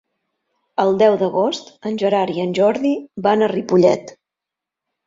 El deu d'agost en Gerard i en Jordi van a Ripollet.